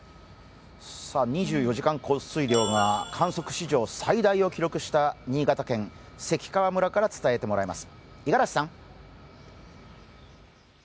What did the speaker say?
２４時間降水量が観測史上最大を記録した新潟県関川村から伝えてもらいます。